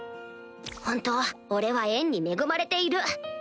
本当俺は縁に恵まれている